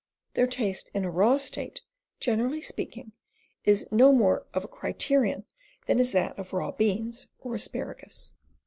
Their taste in a raw state, generally speaking, is no more of a criterion than is that of raw beans or asparagus.